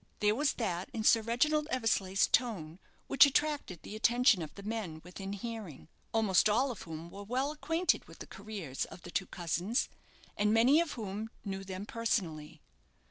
There was that in Sir Reginald Eversleigh's tone which attracted the attention of the men within hearing almost all of whom were well acquainted with the careers of the two cousins, and many of whom knew them personally.